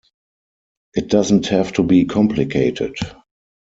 It doesn't have to be complicated.